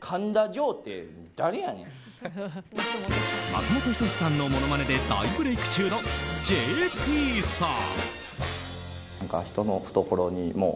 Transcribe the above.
松本人志さんのものまねで大ブレーク中のＪＰさん。